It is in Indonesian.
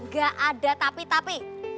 gak ada tapi tapi